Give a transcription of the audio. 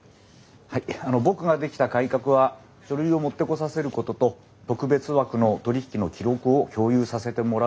はいあの僕ができた改革は書類を持ってこさせることと特別枠の取り引きの記録を共有させてもらうことだけでした。